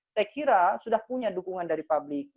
saya kira sudah punya dukungan dari publik